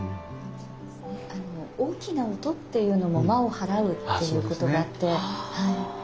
大きな音っていうのも魔を払うっていうことがあって。